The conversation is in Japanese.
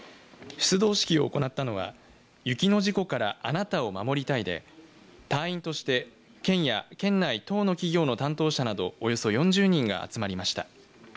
出動式を行ったのは雪の事故からあなたを守り隊で隊員として県や県内等の企業の担当者などおよそ４０人が集まりました。